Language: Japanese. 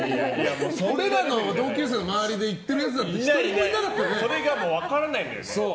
俺らの同級生の周りで行ってるやつなんてそれが分からないんだよね。